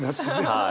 はい。